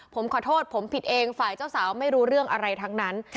ผมขอโทษผมผิดเองฝ่ายเจ้าสาวไม่รู้เรื่องอะไรทั้งนั้น